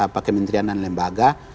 pak kementerian dan lembaga